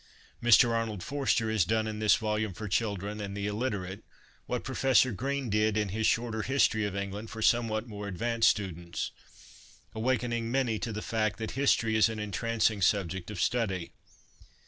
Mr Arnold Forster has done in this volume for children and the illiterate, what Professor Green did in his Shorter History of England for somewhat more advanced students, awakening many to the fact that history is an entrancing subject of study.